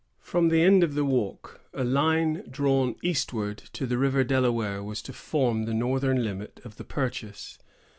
From the end of the walk, a line drawn eastward to the river Delaware was to form the northern limit of the purchase.